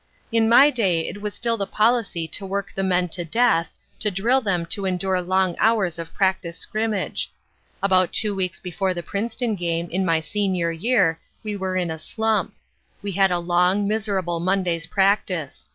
"In my day it was still the policy to work the men to death, to drill them to endure long hours of practice scrimmage. About two weeks before the Princeton game in my senior year, we were in a slump. We had a long, miserable Monday's practice.